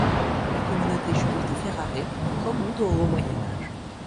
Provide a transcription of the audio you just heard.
La communauté juive de Ferrare remonte au haut Moyen-Âge.